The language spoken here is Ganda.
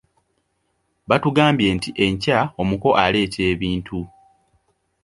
Batugambye nti enkya omuko aleeta ebintu.